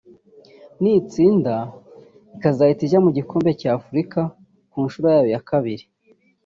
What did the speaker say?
nitsinda ikazahita ijya mu gikombe cya Afurika ku nshuro yayo ya kabiri